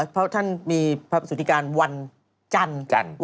เพราะท่านมีพระประสุทธิการวันจันทร์